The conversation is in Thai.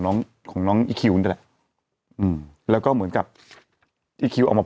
ของน้องของน้องอีคิวนี่แหละอืมแล้วก็เหมือนกับอีคิวออกมา